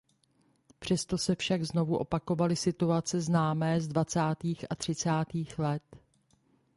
Přesto se však znovu opakovaly situace známé z dvacátých a třicátých let.